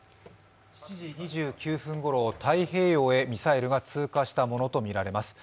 ７時２９分ごろ、太平洋側へミサイルが通過したものとみられます。